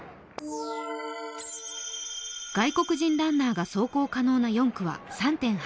外国人ランナーが走行可能な４区は３．８ｋｍ。